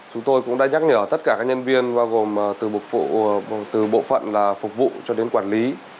chúng tôi cũng đã nhắc nhở tất cả các nhân viên bao gồm từ bộ phận phục vụ cho đến quản lý